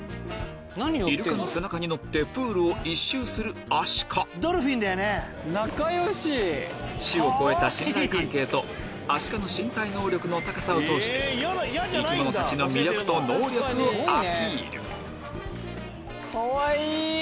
イルカの背中に乗ってプールを一周するアシカ種を超えた信頼関係とアシカの身体能力の高さを通して生き物たちの魅力と能力をアピールかわいい！